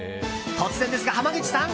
突然ですが、濱口さん